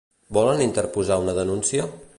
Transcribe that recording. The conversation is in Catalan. Volen interposar una denúncia?